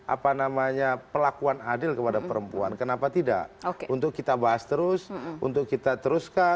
apa namanya pelakuan adil kepada perempuan kenapa tidak untuk kita bahas terus untuk kita teruskan